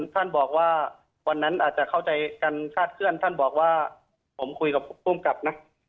ท่านบอกว่าวันนั้นอาจจะเข้าใจกันคาดเคลื่อนท่านบอกว่าผมคุยกับภูมิกับนะ